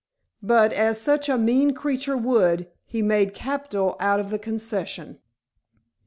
But, as such a mean creature would, he made capital out of the concession.